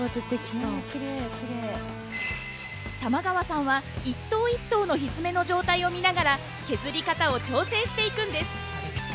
玉川さんは一頭一頭のひづめの状態を見ながら削り方を調整していくんです。